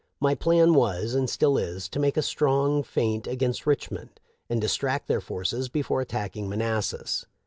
My plan was, and still is, to make a strong feint against Richmond and distract their forces before attacking Manassas.